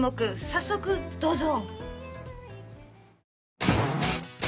早速どうぞ！